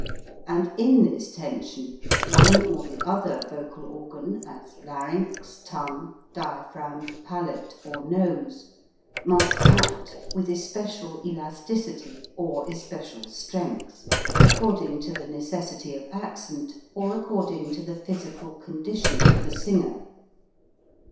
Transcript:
And in this tension one or the other vocal organ, as larynx, tongue, dia phragm, palate, or nose, must act with especial elasticity or especial strength, according to the necessity of accent or according to the physi cal condition of the singer.